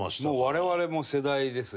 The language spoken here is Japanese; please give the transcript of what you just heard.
我々も世代ですよ